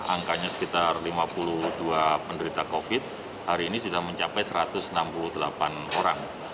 angkanya sekitar lima puluh dua penderita covid hari ini sudah mencapai satu ratus enam puluh delapan orang